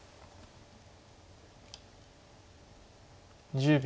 １０秒。